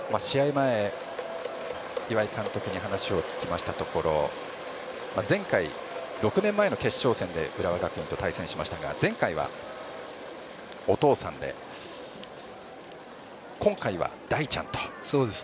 前、岩井監督に話を聞きましたところ前回６年前の決勝戦で浦和学院と対戦しましたが前回はお父さんで今回は大ちゃんと。